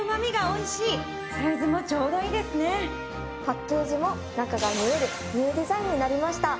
パッケージも中が見えるニューデザインになりました。